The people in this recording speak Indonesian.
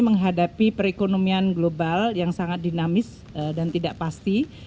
menghadapi perekonomian global yang sangat dinamis dan tidak pasti